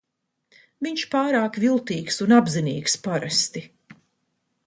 Viņš pārāk viltīgs un apzinīgs parasti.